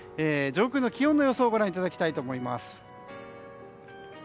上空の気温の予想をご覧いただきたいと思います。